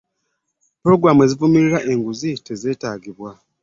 pulogulaamu ezivumirira enguzi zetaagibwa.